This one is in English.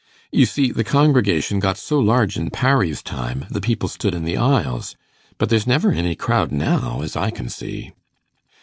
You see, the congregation got so large in Parry's time, the people stood in the aisles; but there's never any crowd now, as I can see.